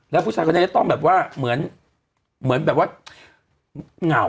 แล้วผู้ชายคนนี้จะต้องแบบว่าเหมือนแบบว่าเหงา